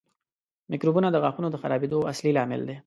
میکروبونه د غاښونو د خرابېدو اصلي لامل دي.